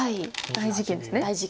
大事件です。